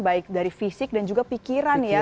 baik dari fisik dan juga pikiran ya